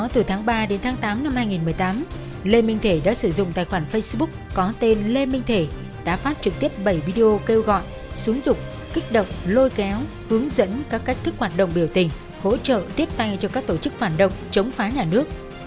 từ tháng ba đến tháng tám năm hai nghìn một mươi tám lê minh thể đã sử dụng tài khoản facebook có tên lê minh thể đã phát trực tiếp bảy video kêu gọi xú dục kích động lôi kéo hướng dẫn các cách thức hoạt động biểu tình hỗ trợ tiếp tay cho các tổ chức phản động chống phá nhà nước